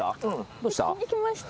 どうした？